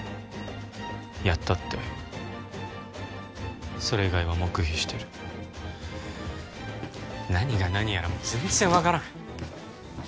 やったってそれ以外は黙秘してる何が何やら全然分からん